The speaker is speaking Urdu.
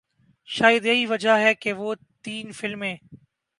شاید یہی وجہ ہے کہ وہ تین فلمیں